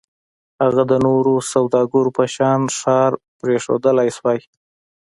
هغه د نورو سوداګرو په شان ښار پرېښودای شو.